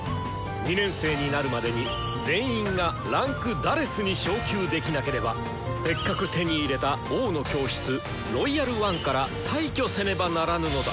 ２年生になるまでに全員が位階「４」に昇級できなければせっかく手に入れた「王の教室」「ロイヤル・ワン」から退去せねばならぬのだ！